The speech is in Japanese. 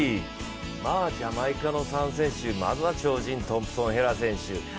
ジャマイカの３選手、まずは超人トンプソン・ヘラ選手。